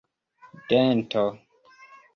dento